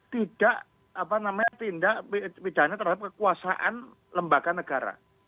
tidak apa namanya tindak pidana terhadap kekuasaan lembaga negara